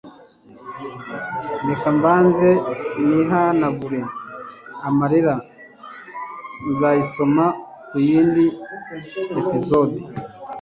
rekambanze nihanagure amarira nzayisoma kuyindi episode